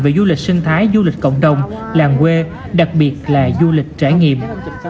về du lịch sinh thái du lịch cộng đồng làng quê đặc biệt là du lịch trải nghiệm